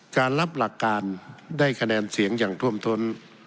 การรับหลักการได้คะแนนเสียงอย่างท่วมท้น